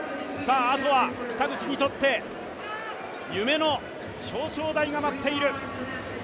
あとは北口にとって夢の表彰台が待っている。